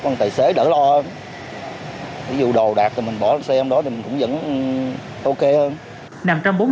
còn tài xế đỡ lo hơn ví dụ đồ đạt rồi mình bỏ xe trong đó thì cũng vẫn ok hơn